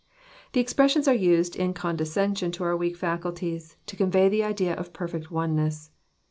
The expressions are used in condescension to our weak faculties, to convey the idea of perfect oneness.